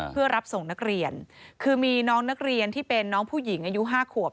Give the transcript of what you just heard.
เพื่อรับส่งนักเรียนคือมีน้องนักเรียนที่เป็นน้องผู้หญิงอายุ๕ขวบ